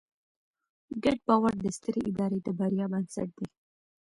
ګډ باور د سترې ادارې د بریا بنسټ دی.